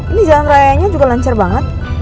ini jalan rayanya juga lancar banget